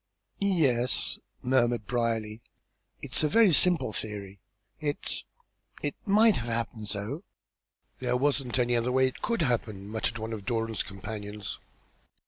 "Yes," murmured Brierly, "it is a very simple theory. It it might have happened so." "There wasn't any other way it could happen," muttered one of Doran's companions.